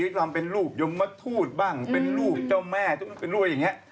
มีความเป็นรูปยมมะทูตบ้างเป็นรูปเจ้าแม่เป็นรูปอะไรอย่างนี้